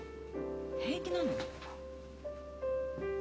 平気なの？